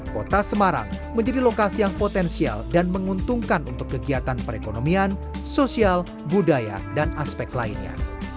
kota semarang menjadi lokasi yang potensial dan menguntungkan untuk kegiatan perekonomian sosial budaya dan aspek lainnya